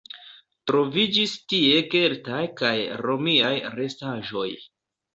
Troviĝis tie keltaj kaj romiaj restaĵoj.